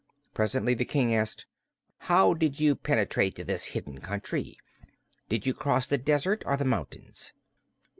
Presently the King asked: "How did you penetrate to this hidden country? Did you cross the desert or the mountains?"